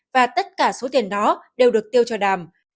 và tất cả số tiền đó đều được tiêu cho đàm